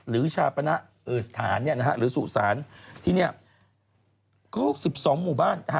เพิ่งพบเป็นครั้งแรกตั้งแต่เกิดมานะ